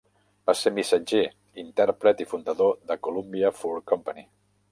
Va ser missatger, intèrpret i fundador de Columbia Fur Company.